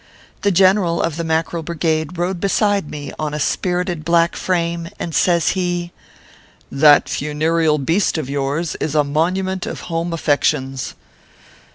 The general of the Mackerel Brigade rode beside me on a spirited black frame, and says he :" That funereal beast of yours is a monument of the home affections.